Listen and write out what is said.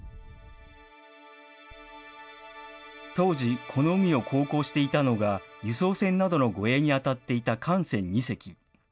当時、この海を航行していたのが、輸送船などの護衛に当たっていた艦船２隻。